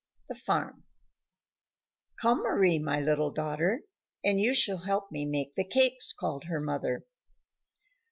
THE FARM "COME, Mari, my little daughter, and you shall help me make the cakes," called her mother.